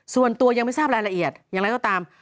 ส่วนตัวยังไม่ทราบรายละเอียดอย่างไรก็ตาม